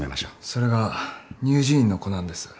それが乳児院の子なんです。